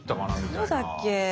どうだっけ。